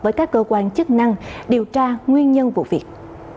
với các cơ quan chức năng điều tra nguyên nhân vụ việc